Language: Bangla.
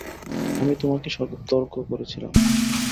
আমি তোমাকে সতর্ক করেছিলাম।